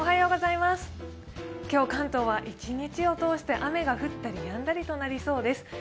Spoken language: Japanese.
今日、関東は１日を通して雨が降ったりやんだりとなりそうです。